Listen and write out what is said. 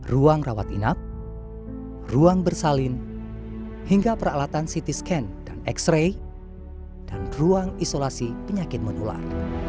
ruang rawat inap ruang bersalin hingga peralatan ct scan dan x ray dan ruang isolasi penyakit menular